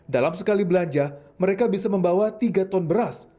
dalam sekali belanja mereka bisa membawa tiga ton beras